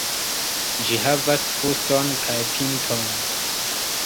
Ĝi havas fuston kaj pinton.